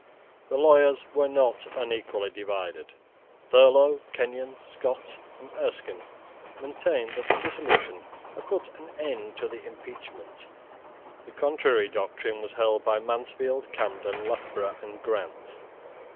The lawyers were not unequally divided. Thurlow, Kenyon, Scott, and Erskine maintained that the dissolution had put an end to the impeachment. The contrary doctrine was held by Mansfield, Camden, Loughborough, and Grant.